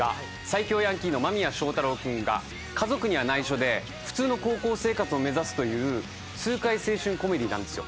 最強ヤンキーの間宮祥太朗君が家族には内緒で普通の高校生活を目指すという痛快青春コメディーなんです。